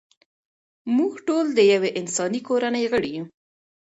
موږ ټول د یوې انساني کورنۍ غړي یو.